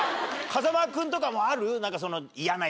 風間君とかもある？